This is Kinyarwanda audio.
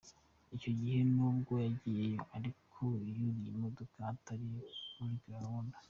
Icyo gihe nubwo yagiyeyo ariko yuriye imodoka atari kuri gahunda.